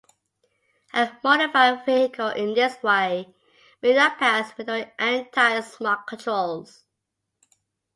A modified vehicle in this way may not pass mandatory anti-smog controls.